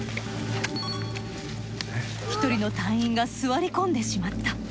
一人の隊員が座り込んでしまった。